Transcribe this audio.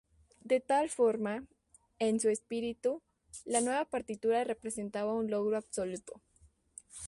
De tal forma, en su espíritu, la nueva partitura representaba un logro absoluto.